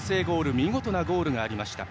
見事なゴールがありました。